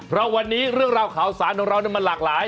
เพราะวันนี้เรื่องราวข่าวสารของเรามันหลากหลาย